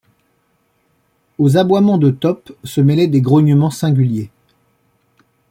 Aux aboiements de Top se mêlaient des grognements singuliers